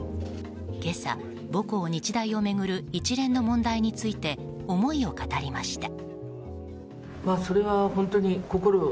今朝、母校・日大を巡る一連の問題について思いを語りました。